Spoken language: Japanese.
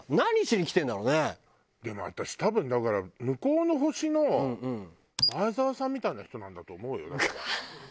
でも私多分だから向こうの星の前澤さんみたいな人なんだと思うよだから。